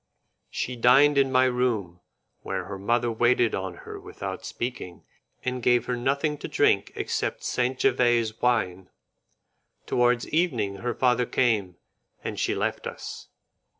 She dined in my room, where her mother waited on her without speaking, and gave her nothing to drink except St. Jevese wine. Towards evening her father came, and she left us.